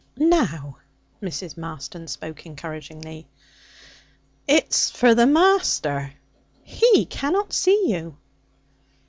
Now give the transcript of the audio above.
'Now.' Mrs. Marston spoke encouragingly. 'It's for the master.' 'He cannot see you.'